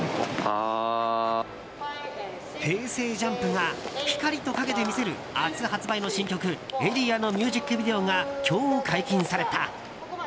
ＪＵＭＰが光と影で見せる明日発売の新曲「ａｒｅａ」のミュージックビデオが今日解禁された。